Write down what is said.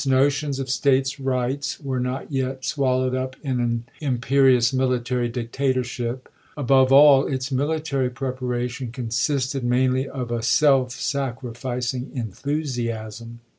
tions of States rights were not yet swallowed up in an imperious military dictatorship; above all, its military preparation consisted mainly of a self sacrificing enthusiasm.